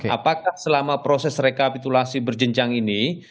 apakah selama proses rekapitulasi berjenjang ini